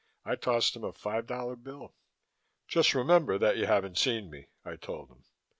I tossed him a five dollar bill. "Just remember that you haven't seen me," I told him.